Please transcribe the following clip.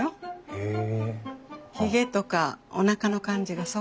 へえ？